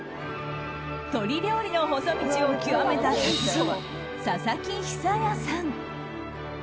鶏料理の細道を極めた達人佐々木久哉さん。